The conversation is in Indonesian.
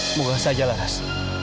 semoga saja lah riz